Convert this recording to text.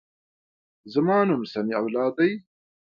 زما نوم سمیع الله دی.